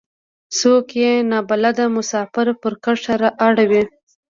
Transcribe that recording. څوک يې نا بلده مسافر پر کرښه اړوي.